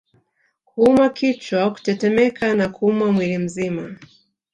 Kuumwa kichwa kutetemeka na kuumwa mwili mzima